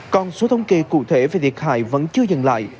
còn số thông kê cụ thể về thiệt hại vẫn chưa dần lại